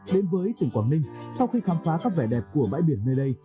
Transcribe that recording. đến với tỉnh quảng ninh sau khi khám phá các vẻ đẹp của bãi biển nơi đây